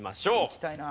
いきたいな。